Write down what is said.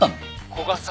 古賀さんは。